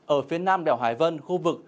ở phía nam đảo hải vân khu vực